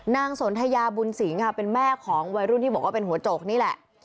สนทยาบุญสิงค่ะเป็นแม่ของวัยรุ่นที่บอกว่าเป็นหัวโจกนี่แหละ